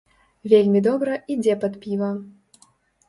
Вельмі добра ідзе пад піва.